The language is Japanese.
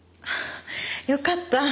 よかった。